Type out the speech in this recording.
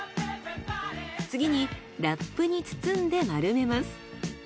次にラップに包んで丸めます。